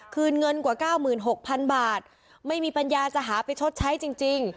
เงินกว่า๙๖๐๐๐บาทไม่มีปัญญาจะหาไปชดใช้จริง